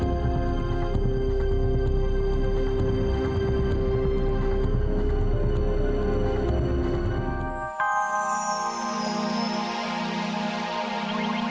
mas aku pergi dulu ya mas